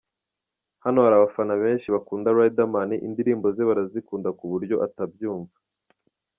Hano hari abafana benshi bakunda Riderman, indirimbo ze barazikunda kuburyo utabyumva.